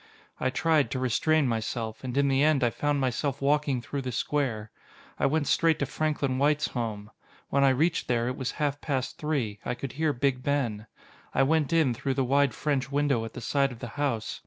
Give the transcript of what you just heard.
I tried to restrain myself, and in the end I found myself walking through the square. I went straight to Franklin White's home. When I reached there, it was half past three I could hear Big Ben. I went in through the wide French window at the side of the house.